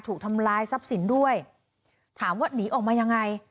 ถูกทำลายทรัพย์สินด้วยถามว่าหนีออกมายังไง